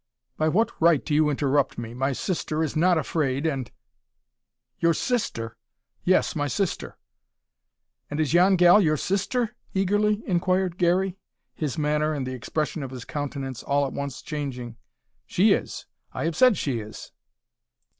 "By what right do you interrupt me? My sister is not afraid, and " "Your sister!" "Yes, my sister." "And is yon gal your sister?" eagerly inquired Garey, his manner and the expression of his countenance all at once changing. "She is. I have said she is."